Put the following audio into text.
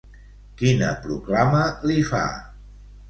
Quina proclama li fa?